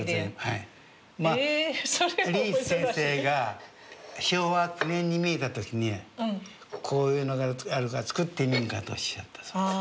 まあリーチ先生が昭和９年に見えた時に「こういうのがあるから作ってみんか？」とおっしゃったそうです。